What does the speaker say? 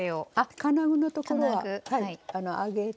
金具のところは上げて。